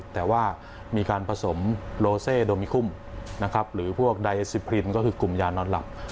แต่ว่ามีการผสมโลเซดมิคุมหรือพวกไดเอสซิปรินคือกลุ่มยานอนหลับ